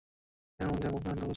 এর পেছনে মূল কারণ ছিল ধর্মীয়।